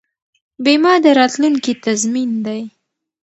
بیمه د راتلونکي تضمین دی.